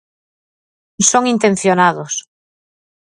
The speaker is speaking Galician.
Son intencionados.